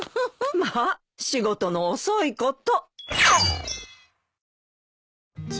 まあ仕事の遅いこと。